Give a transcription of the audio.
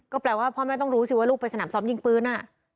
ก็แปลว่าพ่อแม่ต้องรู้สิว่าลูกไปสนามซ้อมยิงปืน